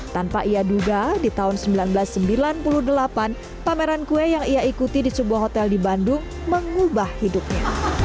tanpa ia duga di tahun seribu sembilan ratus sembilan puluh delapan pameran kue yang ia ikuti di sebuah hotel di bandung mengubah hidupnya